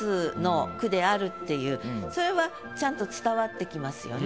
それはちゃんと伝わってきますよね。